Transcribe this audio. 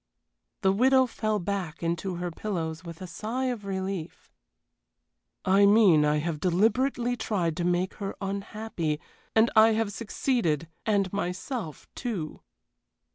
The widow fell back into her pillows with a sigh of relief. "I mean I have deliberately tried to make her unhappy, and I have succeeded and myself, too."